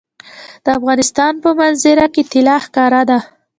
د افغانستان په منظره کې طلا ښکاره ده.